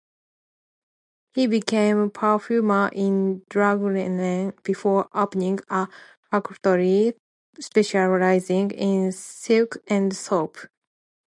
He became perfumer in Draguignan before opening a factory specializing in silk and soap.